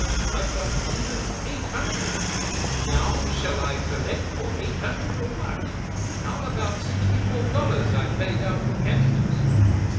I've got even eight hundred, now shall I collect for eight hundred or what, how about sixty four dollars I paid out for cabbages."